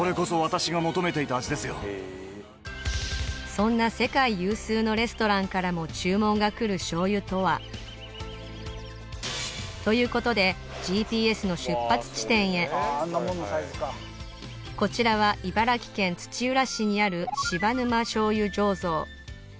そんな世界有数のレストランからも注文がくる醤油とはということでこちらは茨城県土浦市にある「柴沼醤油醸造」